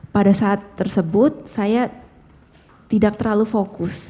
pada saat tersebut saya tidak terlalu fokus